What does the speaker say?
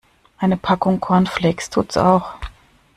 Eine Packung Cornflakes tut's auch.